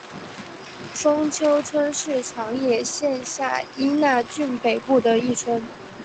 丰丘村是长野县下伊那郡北部的一村。